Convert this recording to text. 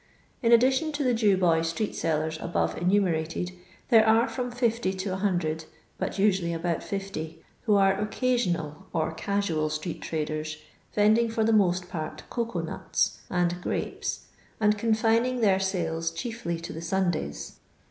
In addition to the Jew boy street^Uers abore enumerated, there are from 60 to 100, but nsoally abont 50, who are ofrasional, or "casnal" street traders, Tending for the most part cocoa nuts and grapes, and confining their sides chiefly to the Dondaya.